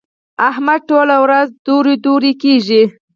احمد ټوله ورځ دورې دورې کېږي.